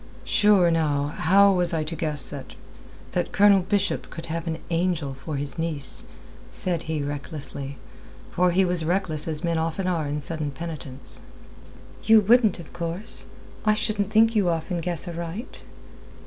"Sure, now, how was I to guess that... that Colonel Bishop could have an angel for his niece?" said he recklessly, for he was reckless as men often are in sudden penitence. "You wouldn't, of course. I shouldn't think you often guess aright."